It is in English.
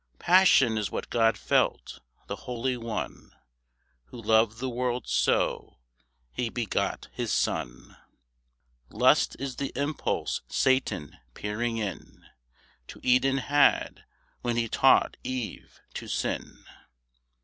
Passion is what God felt, the Holy One, Who loved the world so, He begot his Son. Lust is the impulse Satan peering in To Eden had, when he taught Eve to sin.